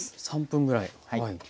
３分ぐらいはい。